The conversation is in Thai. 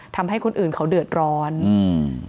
ทำให้คนอื่นเขาเดือดร้อนอืม